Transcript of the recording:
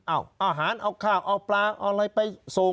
เอาอาหารเอาข้าวเอาปลาเอาอะไรไปส่ง